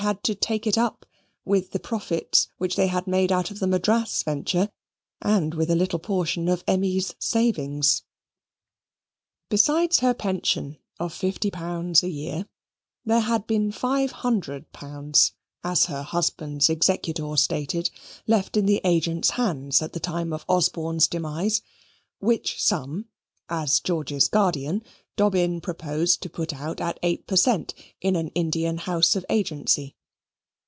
had to take it up, with the profits which they had made out of the Madras venture, and with a little portion of Emmy's savings. Besides her pension of fifty pounds a year, there had been five hundred pounds, as her husband's executor stated, left in the agent's hands at the time of Osborne's demise, which sum, as George's guardian, Dobbin proposed to put out at 8 per cent in an Indian house of agency.